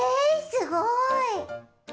すごい！